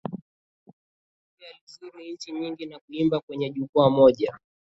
Dube alizuru nchi nyingi na kuimba kwenye jukwaa moja